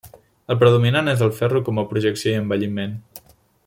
El predominant és el ferro com a projecció i embelliment.